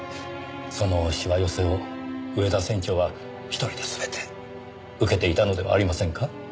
そのしわ寄せを上田船長は１人で全て受けていたのではありませんか？